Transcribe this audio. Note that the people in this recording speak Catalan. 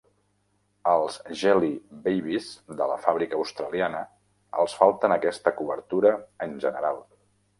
Als Jelly Babies de la fàbrica australiana els falten aquesta cobertura en general.